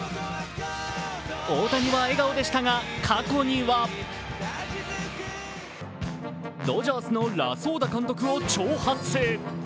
大谷は笑顔でしたが、過去にはドジャースのラソーダ監督を挑発。